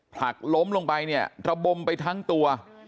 ผลักล้มลงไประบมไปทั้งตัว